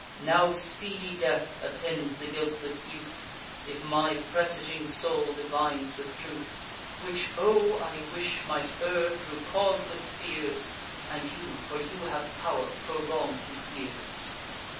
Now speedy death attends the guiltless youth, If my presaging soul divines with truth; Which, O! I wish, might err thro' causeless fears, And you (for you have pow'r) prolong his years!"